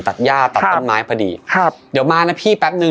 ย่าตัดต้นไม้พอดีครับเดี๋ยวมานะพี่แป๊บนึง